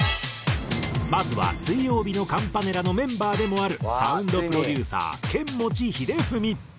まずは水曜日のカンパネラのメンバーでもあるサウンドプロデューサーケンモチヒデフミ。